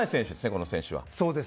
この選手は。